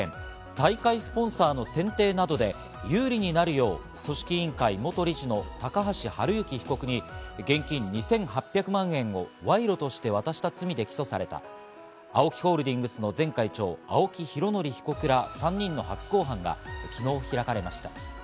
大会スポンサーの選定などで有利になるよう組織委員会元理事の高橋治之被告に現金２８００万円を賄賂として渡した罪で起訴されたＡＯＫＩホールディングスの前会長・青木拡憲被告ら３人の初公判が昨日開かれました。